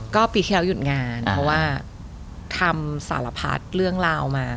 ก็ปีที่แล้วหยุดงานเพราะว่าทำสารพัดเรื่องราวมา